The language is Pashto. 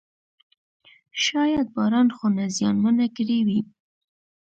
شاید باران خونه زیانمنه کړې وي.